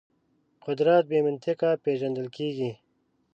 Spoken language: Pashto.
قدرت بې منطقه پېژندل کېږي.